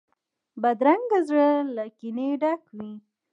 بدرنګه زړه له کینې ډک وي